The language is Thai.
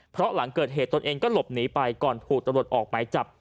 เพราะหลังเกิดเหตุตนเองก็หลบหนีไปก่อนถูกตำรวจออกหมายจับ